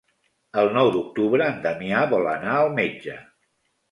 El nou d'octubre en Damià vol anar al metge.